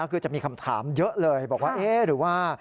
คือจะมีคำถามเยอะเลยบอกว่าเอ๊ะหรือว่า